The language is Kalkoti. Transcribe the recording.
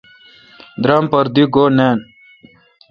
درام پر دی گُو نان۔